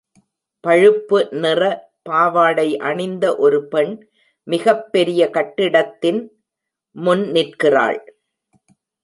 பழுப்பு நிற பாவாடை அணிந்த ஒரு பெண் மிகப் பெரிய கட்டிடத்தின் முன் நிற்கிறாள்.